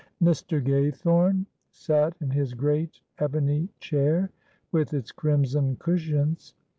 Mr. Gaythorne sat in his great ebony chair with its crimson cushions.